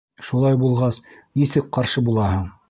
Шулай булғас, нисек ҡаршы булаһың.